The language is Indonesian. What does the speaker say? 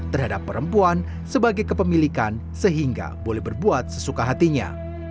terhadap perempuan sebagai kepemilikan sehingga boleh berbuat sesuka hatinya